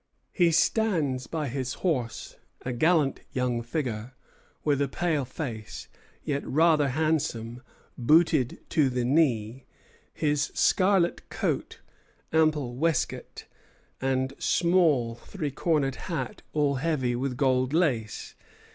He stands by his horse, a gallant young figure, with a face pale, yet rather handsome, booted to the knee, his scarlet coat, ample waistcoat, and small three cornered hat all heavy with gold lace.